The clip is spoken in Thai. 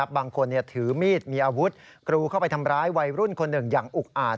บางทีถือมีดมีอาวุธกรูเข้าไปทำร้ายวัยรุ่นคนหนึ่งอย่างอุกอาจ